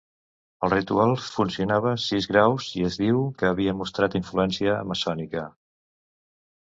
El ritual funcionava sis graus i es diu que havia mostrat influència maçònica.